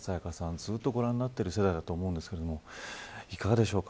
ずっとご覧になっている世代だと思いますがいかがでしょうか。